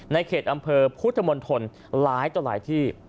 ในเขตอำเภอพุทธมนตรหลายต่อหลายที่